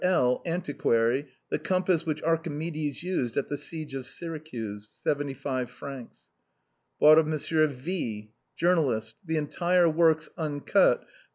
L , antiquary, the compass which Archi medes used at the seige of Syracuse. 75 fr. " Bought of M. V , journalist, the entire works, un cut, of M.